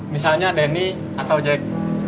misalnya denny atau jack